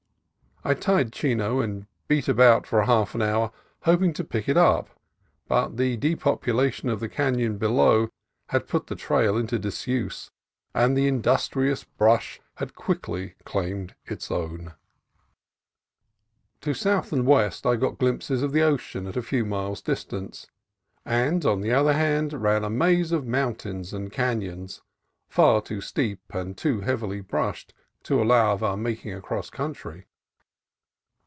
I tied Chino and beat about for half an hour hoping to pick it up, but the depopulation of the canon below had put the trail into disuse, and the industrious brush had quickly claimed its own. A LOST TRAIL 149 To south and west I got glimpses of the ocean at a few miles' distance, and on the other hand ran a maze of mountains and canons, far too steep and too heavily brushed to allow of our making across coun try.